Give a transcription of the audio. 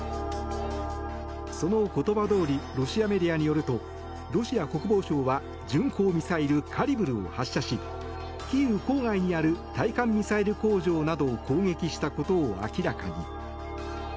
その言葉どおりロシアメディアによるとロシア国防省は巡航ミサイルカリブルを発射しキーウ郊外にある対艦ミサイル工場などを攻撃したことを明らかに。